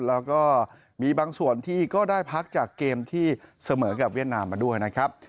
แล้วก็มีบางส่วนที่ก็ได้พักจากเกมที่เสมอกับเวียดนามมาด้วยนะครับ